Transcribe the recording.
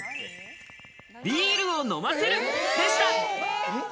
ビールを飲ませるでした。